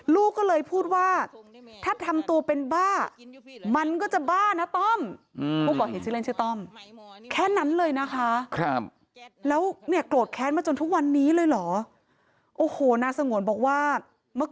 ลูกก็เลยพูดว่าถ้าทำตัวเป็นบ้ามันก็จะบ้านะต้อม